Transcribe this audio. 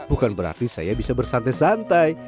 bukan berarti saya bisa bersantai santai